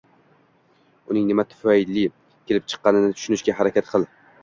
uning nima tufayli kelib chiqqanini tushunishga harakat qil.